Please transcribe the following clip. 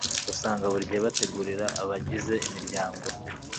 usanga buri gihe bategurira abagize imiryango